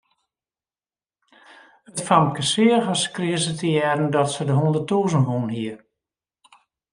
It famke seach as krige se te hearren dat se de hûnderttûzen wûn hie.